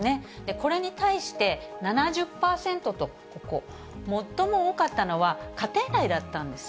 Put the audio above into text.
これに対して、７０％と、ここ、最も多かったのは家庭内だったんです。